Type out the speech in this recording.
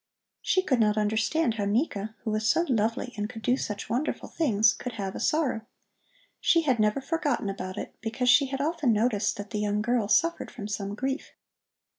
She could not understand how Nika, who was so lovely and could do such wonderful things, could have a sorrow. She had never forgotten about it, because she had often noticed that the young girl suffered from some grief.